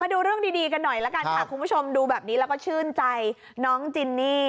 ดูเรื่องดีกันหน่อยละกันค่ะคุณผู้ชมดูแบบนี้แล้วก็ชื่นใจน้องจินนี่